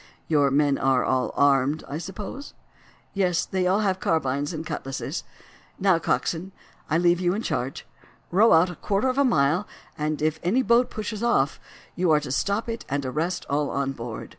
Your men are all armed, I suppose?" "Yes; they have all carbines and cutlasses. Now, coxswain, I leave you in charge. Row out a quarter of a mile, and if any boat pushes off you are to stop it and arrest all on board.